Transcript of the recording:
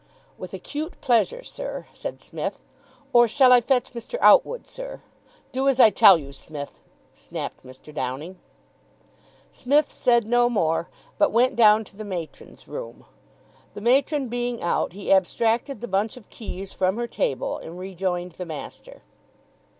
"With acute pleasure, sir," said Psmith. "Or shall I fetch Mr. Outwood, sir?" "Do as I tell you, Smith," snapped Mr. Downing. Psmith said no more, but went down to the matron's room. The matron being out, he abstracted the bunch of keys from her table and rejoined the master.